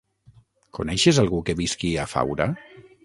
Coneixes algú que visqui a Faura?